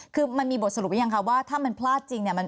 คือมันมีบทสรุปหรือยังคะว่าถ้ามันพลาดจริงเนี่ย